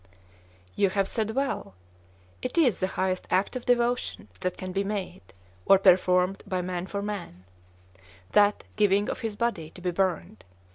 "You have said well. It is the highest act of devotion that can be made, or performed, by man for man, that giving of his body to be burned.